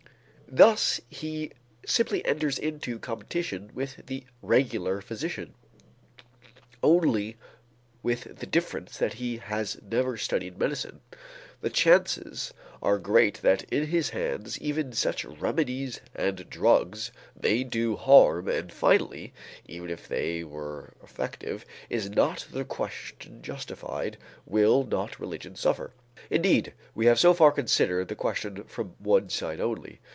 Thus he simply enters into competition with the regular physician, only with the difference that he has never studied medicine. The chances are great that in his hands even such remedies and drugs may do harm and finally, even if they were effective, is not the question justified: will not religion suffer? Indeed we have so far considered the question from one side only.